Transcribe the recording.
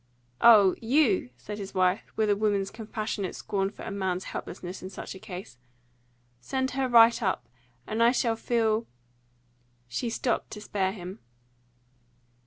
"Oh, YOU!" said his wife, with a woman's compassionate scorn for a man's helplessness in such a case. "Send her right up. And I shall feel " She stopped to spare him.